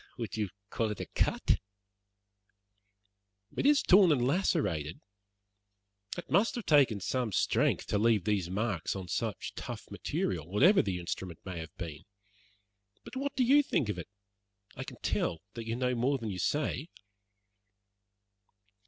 "Would you call it a cut?" "It is torn and lacerated. It must have taken some strength to leave these marks on such tough material, whatever the instrument may have been. But what do you think of it? I can tell that you know more than you say."